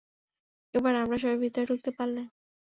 একবার আমরা সবাই ভিতরে ঢুকতে পারলে।